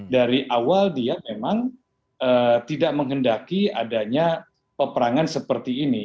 dari awal dia memang tidak menghendaki adanya peperangan seperti ini